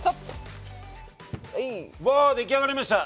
うわ出来上がりました！